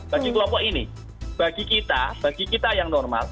bagi kelompok ini bagi kita bagi kita yang normal